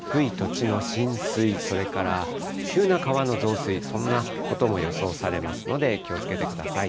低い土地の浸水、それから急な川の増水、そんなことも予想されますので、気をつけてください。